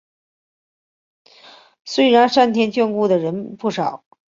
虽然上天眷顾的人不少